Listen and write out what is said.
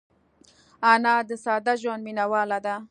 انا د ساده ژوند مینهواله ده